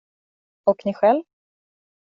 Och ni själv?